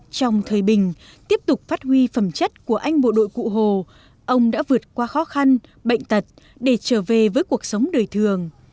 trong thời bình tiếp tục phát huy phẩm chất của anh bộ đội cụ hồ ông đã vượt qua khó khăn bệnh tật để trở về với cuộc sống đời thường